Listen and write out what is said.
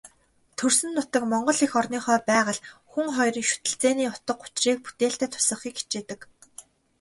Төрсөн нутаг, Монгол эх орныхоо байгаль, хүн хоёрын шүтэлцээний утга учрыг бүтээлдээ тусгахыг хичээдэг.